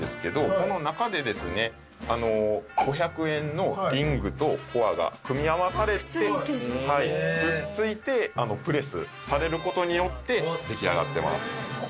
この中でですね５００円のリングとコアが組み合わされてくっついてプレスされることによって出来上がってます。